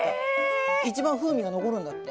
一番風味が残るんだって。